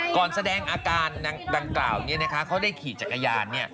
แสดงอาการดังกล่าวเขาได้ขี่จักรยาน